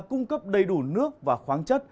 cung cấp đầy đủ nước và khoáng chất